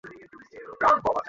আর এরপরের প্ল্যান কী?